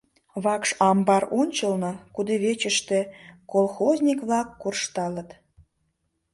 Вакш амбар ончылно кудывечыште колхозник-влак куржталыт.